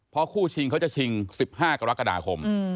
เพราะคู่ชิงเขาจะชิง๑๕กรกฎาคม